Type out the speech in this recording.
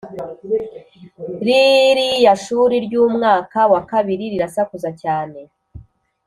Ririya shuri ryumwaka wa kabiri rirasakuza cyane